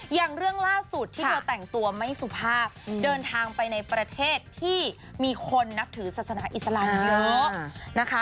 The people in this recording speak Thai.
อย่างเรื่องล่าสุดที่เธอแต่งตัวไม่สุภาพเดินทางไปในประเทศที่มีคนนับถือศาสนาอิสลามเยอะนะคะ